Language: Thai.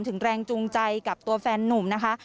ถึงแรงจูงใจกับตัวแฟนนุ่มนะคะ